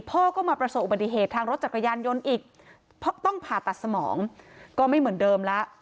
พ่อก็มาประสบอุบัติเหตุทางรถจักรยานยนต์อีกเพราะต้องผ่าตัดสมองก็ไม่เหมือนเดิมแล้ว